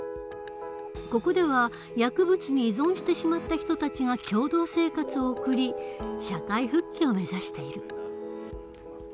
ここでは薬物に依存してしまった人たちが共同生活を送り社会復帰を目指している。